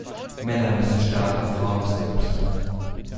Männer müssen stark und Frauen müssen hübsch sein.